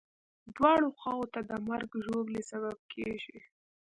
دواړو خواوو ته د مرګ ژوبلې سبب کېږي.